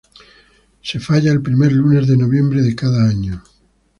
Se falla el primer lunes de noviembre de cada año.